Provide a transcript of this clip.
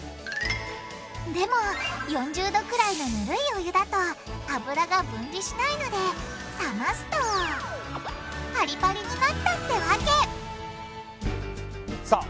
でも４０℃くらいのぬるいお湯だと脂が分離しないので冷ますとパリパリになったってわけさあ